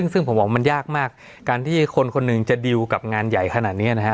ซึ่งผมบอกว่ามันยากมากการที่คนคนหนึ่งจะดิวกับงานใหญ่ขนาดนี้นะฮะ